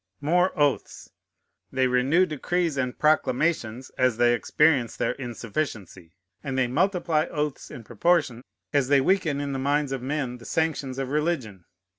More oaths. They renew decrees and proclamations as they experience their insufficiency, and they multiply oaths in proportion as they weaken in the minds of men the sanctions of religion.